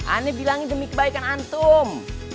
ini bilang demi kebaikan antum